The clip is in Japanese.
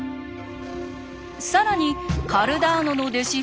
更にカルダーノの弟子